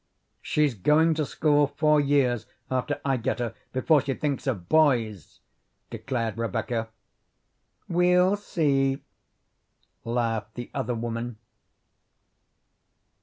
"She's going to school four years after I get her before she thinks of boys," declared Rebecca. "We'll see," laughed the other woman.